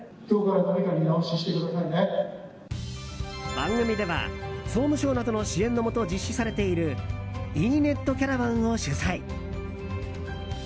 番組では総務省などの支援のもと実施されているｅ‐ネットキャラバンを取材。